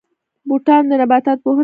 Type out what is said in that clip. بوټاني د نباتاتو پوهنه ده